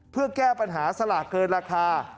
เพื่อแก้ปัญหาสลากเกินราคา